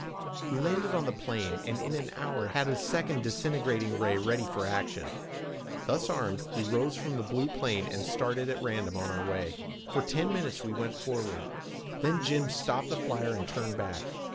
We landed on the plain and in an hour had a second disintegrating ray ready for action. Thus armed, we rose from the blue plain and started at random on our way. For ten minutes we went forward. Then Jim stopped the flyer and turned back.